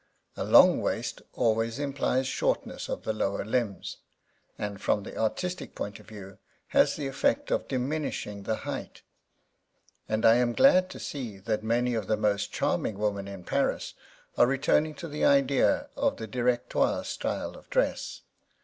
A long waist always implies shortness of the lower limbs, and, from the artistic point of view, has the effect of diminishing the height; and I am glad to see that many of the most charming women in Paris are returning to the idea of the Directoire style of dress.